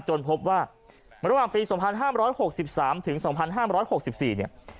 พบว่าระหว่างปี๒๕๖๓ถึง๒๕๖๔เนี่ย